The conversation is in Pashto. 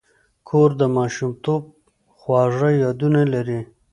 کور د ماشومتوب خواږه یادونه لري.